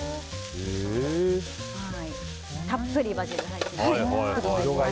たっぷりバジル入ってますね。